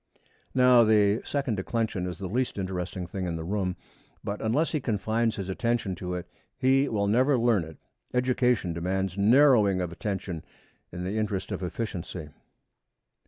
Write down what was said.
Now, the second declension is the least interesting thing in the room, but unless he confines his attention to it he will never learn it. Education demands narrowing of attention in the interest of efficiency.